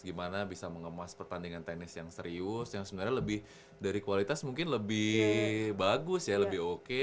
gimana bisa mengemas pertandingan tenis yang serius yang sebenarnya lebih dari kualitas mungkin lebih bagus ya lebih oke